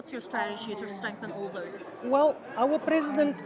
untuk memperkuat semua itu